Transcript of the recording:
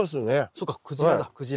そっかクジラだクジラ。